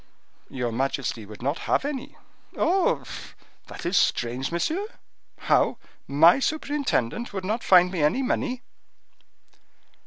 "Your majesty would not have any." "Oh! that is strange, monsieur! How! my superintendent would not find me any money?"